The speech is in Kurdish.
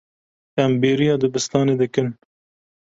Em bêriya dibistanê dikin.